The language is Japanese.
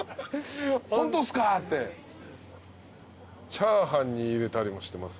チャーハンに入れたりもしてます。